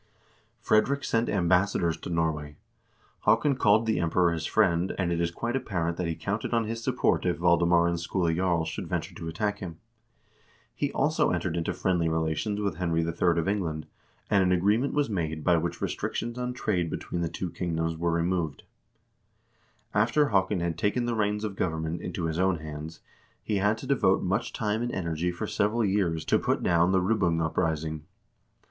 Frederick sent ambassadors to Norway; Haakon called the Emperor his friend, and it is quite apparent that he counted on his support if Valdemar and Skule Jarl should venture to attack him. He also entered into friendly relations with Henry III. of England, and an agreement was made by which restrictions on trade between the two kingdoms were removed.1 After Haakon had taken the reins of government into his own hands, he had to devote much time and energy for several years to put down the Ribbung uprising.